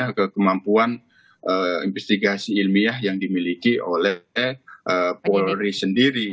ke kemampuan investigasi ilmiah yang dimiliki oleh polri sendiri